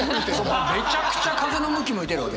めちゃくちゃ風の向き向いてるわけ。